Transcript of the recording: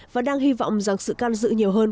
và đang hy vọng rằng sự can dự nhiều hơn